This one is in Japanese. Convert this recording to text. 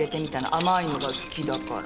甘いのが好きだから。